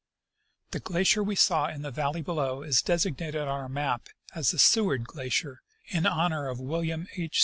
The glacier we saw in the valley below is designated on our map as the Seward glacier, in honor of William H.